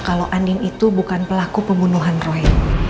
kalau andin itu bukan pelaku pembunuhan roy